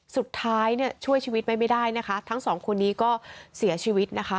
สุดท้ายช่วยชีวิตไปไม่ได้ทั้งสองคนนี้ก็เสียชีวิต